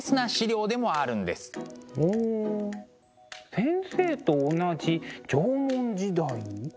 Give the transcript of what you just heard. ほう先生と同じ縄文時代。